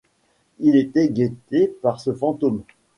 Il était guetté par ce fantôme.